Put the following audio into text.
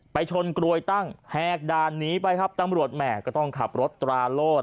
ไปชนกรวยตั้งแหกด่านหนีไปครับตำรวจแหม่ก็ต้องขับรถตราโลด